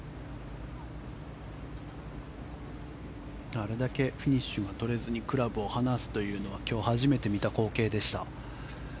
あれだけフィニッシュが撮れずにクラブを離すというのは今日初めて見た光景でした。